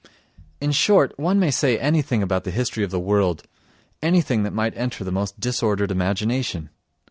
In short, one may say anything about the history of the world—anything that might enter the most disordered imagination.